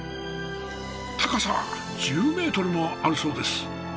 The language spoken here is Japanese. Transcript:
高さ１０メートルもあるそうです。